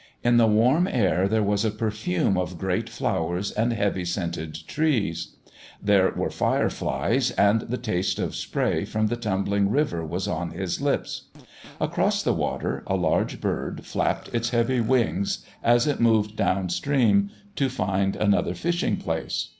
In the warm air there was a perfume of great flowers and heavy scented trees; there were fire flies, and the taste of spray from the tumbling river was on his lips. Across the water a large bird, flapped its heavy wings, as it moved down stream to find another fishing place.